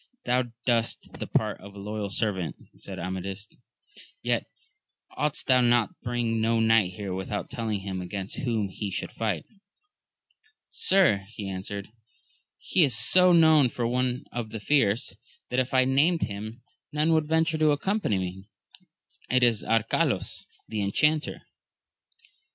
Thou dbest the part of a loyal servant, said Amadis ; yet oughtest thou to bring no knight here without telling him against whom he should fight. Sir, he answered, he is so known for one of the fierce, that if I had named him none would venture to accompany me, — it is Arcalaus, the Enchanter.